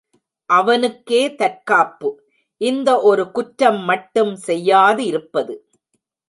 அவனுக்கே தற்காப்பு, இந்த ஒரு குற்றம் மட்டும் செய்யாதிருப்பது.